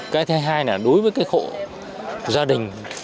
cái thứ hai là đối với cái hộ gia đình